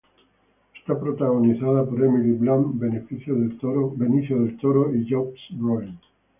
Está protagonizada por Emily Blunt, Benicio del Toro y Josh Brolin.